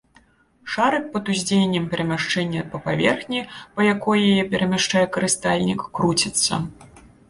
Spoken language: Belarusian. Шарык пад уздзеяннем перамяшчэння па паверхні, па якой яе перамяшчае карыстальнік, круціцца.